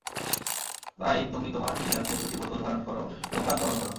তাই তুমি তোমার দুই হাতে দুইটি বোতল ধারণ কর এবং রাত জাগরণ কর।